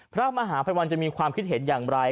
พระมหาภัยวันจะมีความคิดเห็นอย่างไร